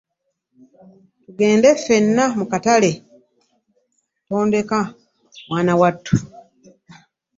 Tugenda ffenna mu katale tondeka mwana watu.